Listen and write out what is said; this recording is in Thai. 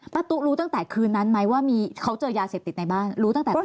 ตุ๊รู้ตั้งแต่คืนนั้นไหมว่ามีเขาเจอยาเสพติดในบ้านรู้ตั้งแต่ตอน